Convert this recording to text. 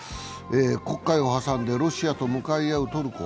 黒海を挟んでロシアと向き合うトルコ。